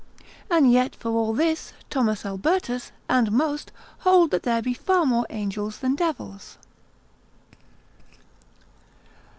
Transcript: And yet for all this Thomas Albertus, and most hold that there be far more angels than devils.